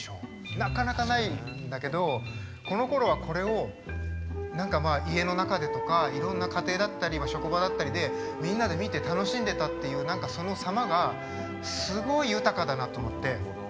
なかなかないんだけどこのころはこれを何か家の中でとかいろんな家庭だったり職場だったりでみんなで見て楽しんでたっていうそのさまがすごい豊かだなと思って。